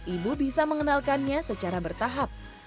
ibu bisa mengenalkannya secara bertahap